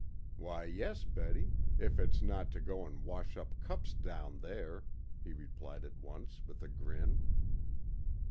"Why, yes, Betty if it's not to go and wash up cups down there," he replied at once, with a grin.